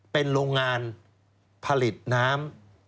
เป็นโรงงานผลิตน้ำ